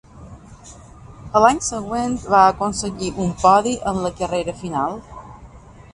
A l'any següent va aconseguir un podi en la carrera final.